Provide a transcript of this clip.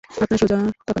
আপনার সোজা তাকান।